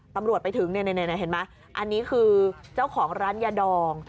ตำรวจไปถึงเนี่ยเห็นไหมอันนี้คือเจ้าของร้านยาดอง